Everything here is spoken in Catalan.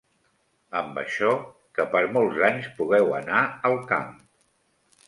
Amb això, que per molts anys pugueu anar al camp